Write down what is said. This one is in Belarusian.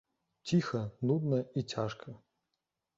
Ціха, нудна і цяжка.